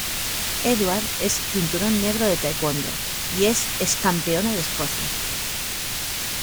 Edwards es cinturón negro en Tae Kwon Do y es ex-campeona de Escocia.